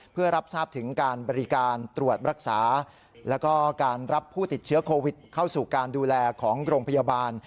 เพื่อรับทราบถึงการบริการตรวจรักษาแล้วก็การรับผู้ติดเชื้อโควิดเข้าสู่การดูแลของโรงพยาบาล